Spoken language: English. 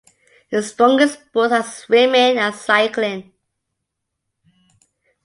Its strongest sports are swimming and cycling.